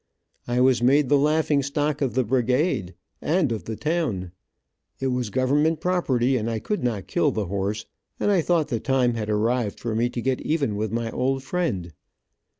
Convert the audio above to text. I was made the laughing stock of the brigade, and of the town. It was government property, and I could not kill the horse, and I thought the time had arrived for me to get even with my old friend.